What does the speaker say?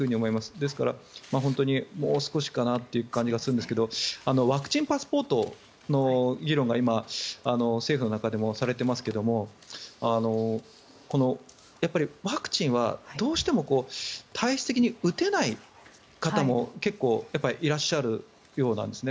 ですから、本当にもう少しかなという感じがするんですがワクチンパスポートの議論が今政府の中でもされていますがやっぱりワクチンはどうしても体質的に打てない方も結構いらっしゃるようなんですね。